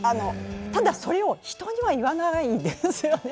ただ、それを人には言わないですよね。